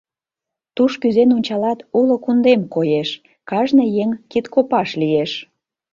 Туш кӱзен ончалат — уло кундем коеш, кажне еҥ кидкопаш лиеш.